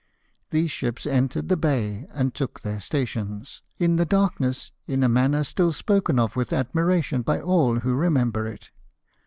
These ships entered the bay, and took their stations, in the darkness, in a manner still spoken of with admiration by all who remeujber it.